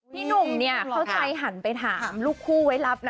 พี่หนุ่มเนี่ยเข้าใจหันไปถามลูกคู่ไว้รับนะ